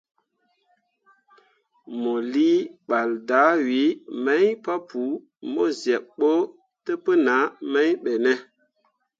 Mo lii ɓal dahwii mai papou mo zyeb ɓo təpənah mai ɓe ne?